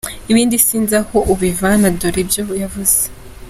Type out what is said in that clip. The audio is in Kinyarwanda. Ibindi sinzi aho ubivana dore ibyo yavuze: